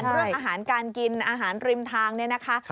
เรื่องอาหารการกินอาหารริมทางเนี่ยนะคะ